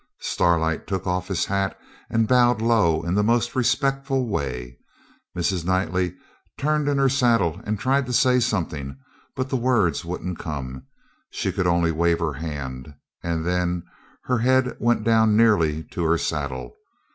Starlight took off his hat and bowed low in the most respectful way. Mrs. Knightley turned in her saddle and tried to say something, but the words wouldn't come she could only wave her hand and then her head went down nearly to her saddle.